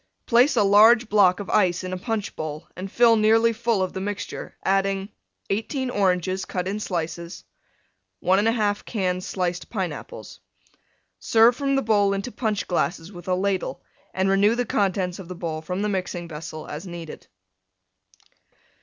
Place a large block of Ice in a Punch bowl and fill nearly full of the mixture, adding: 18 Oranges, cut in slices. 1 1/2 cans sliced Pineapples. Serve from the bowl into Punch glasses with a Ladle, and renew the contents of the bowl from the mixing vessel as needed.